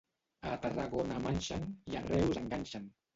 A Tarragona manxen i a Reus enganxen.